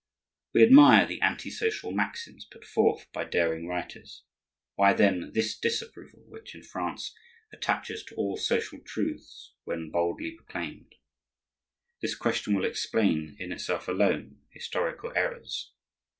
We admire the anti social maxims put forth by daring writers; why, then, this disapproval which, in France, attaches to all social truths when boldly proclaimed? This question will explain, in itself alone, historical errors.